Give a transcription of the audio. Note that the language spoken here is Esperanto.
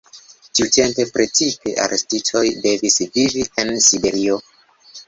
Tiutempe precipe arestitoj devis vivi en Siberio.